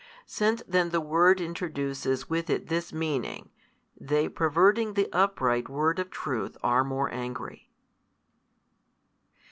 Since then the word introduces with it this meaning, they perverting the upright word of truth are more angry.